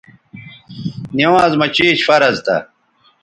نِوانز مہ چیش فرض تھا